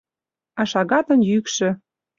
А шагатын йӱкшӧ